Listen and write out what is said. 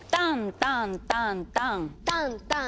タンタタタンタン！